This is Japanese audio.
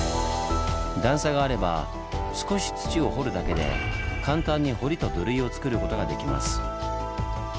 段差があれば少し土を掘るだけで簡単に堀と土塁をつくることができます。